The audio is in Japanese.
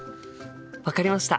分かりました。